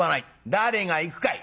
「誰が行くかい」。